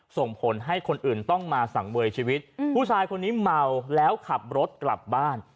ส่งผลให้คนอื่นต้องมาสังเวยชีวิตผู้ชายคนนี้เมาแล้วขับรถกลับบ้าน